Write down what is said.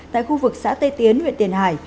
tại khu vực xã tây tiến huyện tiền hải